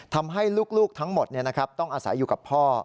ทำให้ลูกทั้งหมดต้องอาศัยอยู่กับพ่อ